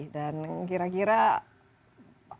dan kira kira apa yang ini lah dari segi problemnya